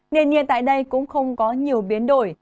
nền nhiệt tại đây cũng không có nhiều biến đổi